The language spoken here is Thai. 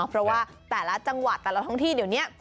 เพราะมาทั้งจังหวัดแต่ละทั้งที่เดียวเนี้ย